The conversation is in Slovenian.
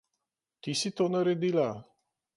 Ti si to naredila?